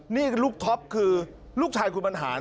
นี่คือลูกท็อปคือลูกชายคุณบรรหาร